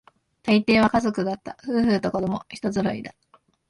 大抵は家族だった、夫婦と子供、一揃いだ